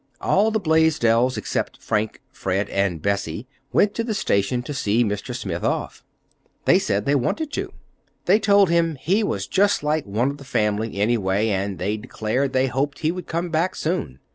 All the Blaisdells, except Frank, Fred, and Bessie, went to the station to see Mr. Smith off. They said they wanted to. They told him he was just like one of the family, anyway, and they declared they hoped he would come back soon.